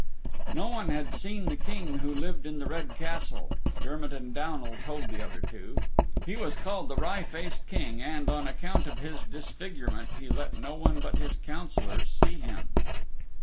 No one had seen the King who lived in the Red Castle, Dermott and Downal told the other two. He was called the Wry faced King, and, on account of his disfigurement, he let no one but his Councilors see him.